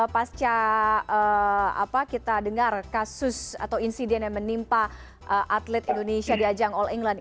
pasca kita dengar kasus atau insiden yang menimpa atlet indonesia di ajang all england